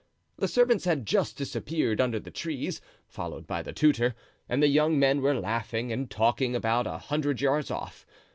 The servants had just disappeared under the trees, followed by the tutor, and the young men were laughing and talking about a hundred yards off.